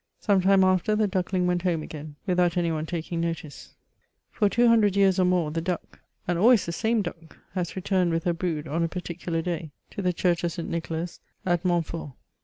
Some time after, the duckling went home again, without any one taking notice. For two hundred CHATEAUBRIAND. 199 years or more, the duck, and always the same duck, has returned with her hrood on a particular day to the church of St. Nicholas, at Montfort.